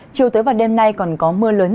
chiều tới vào đêm nay còn có mưa lạnh